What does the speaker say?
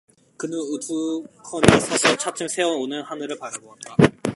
그는 우두커니 서서 차츰 새어 오는 하늘을 바라보았다.